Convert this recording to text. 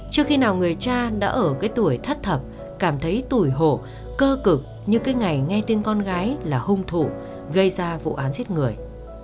trước khi nào người cha đã ở cái tuổi thất thập cảm thấy tuổi hồ cơ cực như cái ngày nghe tin con gái là hung thủ gây ra vụ án giết người